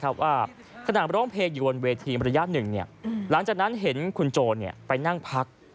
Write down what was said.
ว่าขณะร้องเพลงอยู่บนเวทีระยะหนึ่งหลังจากนั้นเห็นคุณโจรไปนั่งพัก